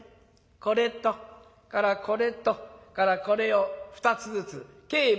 これとそれからこれとそれからこれを２つずつ計６つ下さい」。